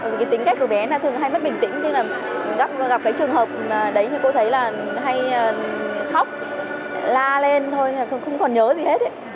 vì tính cách của bé thường hay bất bình tĩnh gặp trường hợp đấy thì cô thấy hay khóc la lên thôi không còn nhớ gì hết